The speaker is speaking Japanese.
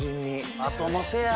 あとのせや！